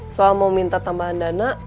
soal mau minta tambahan dana